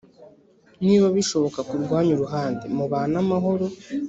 Niba bishoboka ku rwanyu ruhande mubane amahoro